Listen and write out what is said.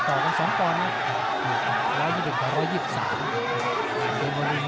ต่อกัน๒ปอนด์อยู่ตรง๑๒๐๑๒๓ปอนด์